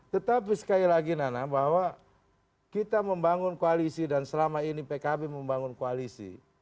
tetapi sekali lagi nana bahwa kita membangun koalisi dan selama ini pkb membangun koalisi